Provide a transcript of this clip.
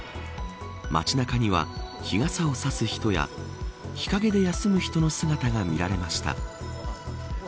街中には日傘を差す人や日陰で休む人の姿が見られました。